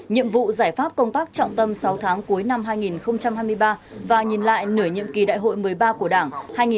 nhiệm vụ giải pháp công tác trọng tâm sáu tháng cuối năm hai nghìn hai mươi ba và nhìn lại nửa nhiệm kỳ đại hội một mươi ba của đảng hai nghìn hai mươi hai nghìn hai mươi năm